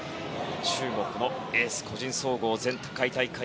中国のエース個人総合前回大会